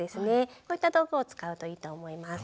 こういった道具を使うといいと思います。